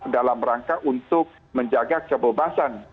dalam rangka untuk menjaga kebebasan